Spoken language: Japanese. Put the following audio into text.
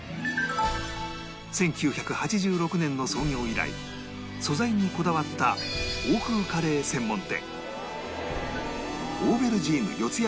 １９８６年の創業以来素材にこだわった欧風カレー専門店